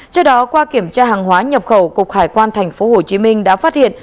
trước đó qua kiểm tra hàng hóa nhập khẩu cục hải quan tp hcm đã phát hiện